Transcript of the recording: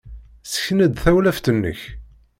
Ssken-d tawlaft-nnek.